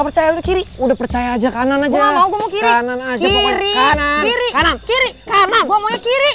percaya kiri udah percaya aja kanan aja kanan kanan kiri kiri kiri kiri